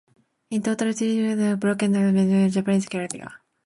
In total three gold medals and one bronze medal were won by Japanese karateka.